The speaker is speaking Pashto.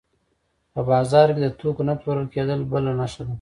په بازار کې د توکو نه پلورل کېدل بله نښه ده